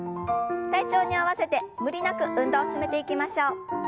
体調に合わせて無理なく運動を進めていきましょう。